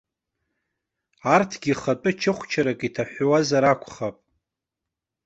Арҭгьы хатәы чыхәчарк иҭаҳәуазар акәхап.